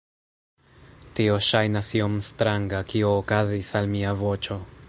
Tio ŝajnas iom stranga kio okazis al mia voĉo